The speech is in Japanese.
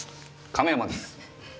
亀山です。